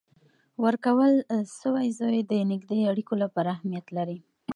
ورکول سوی زوی د نږدې اړیکو لپاره اهمیت لري.